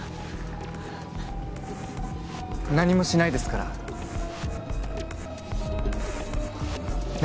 何もしないですから。ね？